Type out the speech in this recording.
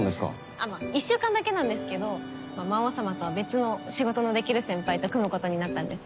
あっまあ１週間だけなんですけどまあ魔王様とは別の仕事のできる先輩と組むことになったんです。